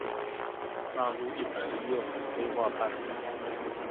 納入一百零六年規劃辦理